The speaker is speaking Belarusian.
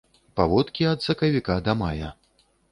Паводкі ад сакавіка да мая.